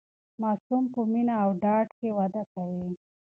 ماسوم په مینه او ډاډ کې وده کوي.